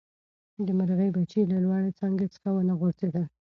د مرغۍ بچي له لوړې څانګې څخه ونه غورځېدل.